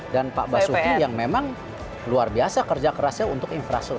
dan pak basuki yang memang luar biasa kerja kerasnya untuk infrastruktur